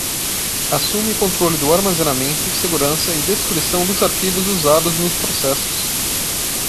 Assume o controle do armazenamento, segurança e destruição dos arquivos usados nos processos.